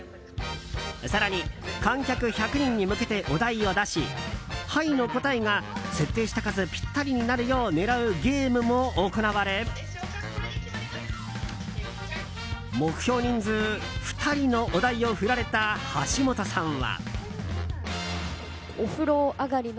更に、観客１００人に向けてお題を出し「はい」の答えが設定した数ぴったりになるよう狙うゲームも行われ目標人数２人のお題を振られた橋本さんは。